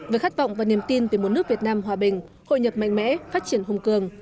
với khát vọng và niềm tin về một nước việt nam hòa bình hội nhập mạnh mẽ phát triển hùng cường